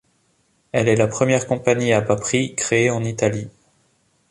Elle est la première compagnie à bas prix créée en Italie.